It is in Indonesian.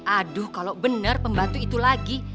aduh kalau benar pembantu itu lagi